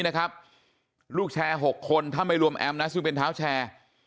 นะครับลูกแชร์หกคนถ้าไม่รวมแอบน่ะซึ่งเป็นแถวแชร์